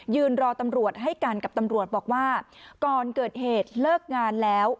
ยืนรอตำรวจให้กันกับตำรวจบอกว่าก่อนเกิดเหตุเลิกงานแล้ว